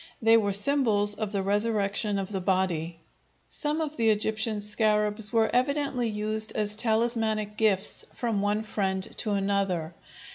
They were symbols of the resurrection of the body. Some of the Egyptian scarabs were evidently used as talismanic gifts from one friend to another.